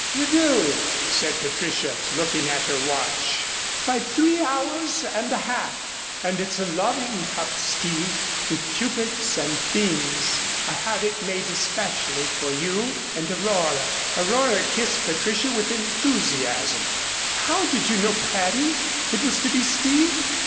"You do," said Patricia, looking at her watch, "by three hours and a half. And it's a loving cup, Steve, with cupids and things, I had it made especially for you and Aurora." Aurora kissed Patricia with enthusiasm. "How did you know, Patty, it was to be Steve?"